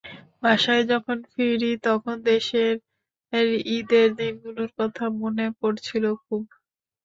বাসায় যখন ফিরি, তখন দেশের ঈদের দিনগুলোর কথা মনে পড়ছিল খুব।